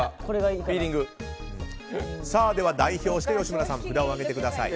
では代表して吉村さん札を上げてください。